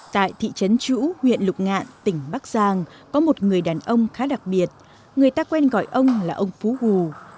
tại thị trấn chủ huyện lục ngạn tỉnh bắc giang có một người đàn ông khá đặc biệt người ta quen gọi ông là ông phú gù